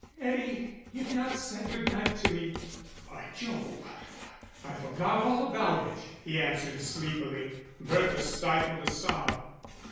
"Eddie, you've not said good night to me." "By Jove, I forgot all about it," he answered, sleepily. Bertha stifled a sob.